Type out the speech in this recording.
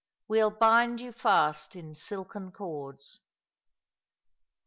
we'll bind you fast in silken coeds."